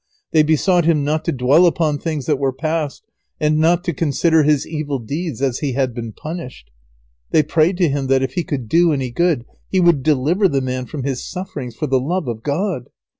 They besought him not to dwell upon things that were past, and not to consider his evil deeds, as he had been punished. They prayed to him that, if he could do any good, he would deliver the man from his sufferings for the love of God.